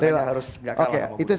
makanya harus gak kalah